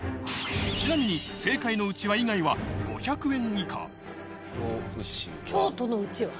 ちなみに正解のうちわ以外は京都のうちわ。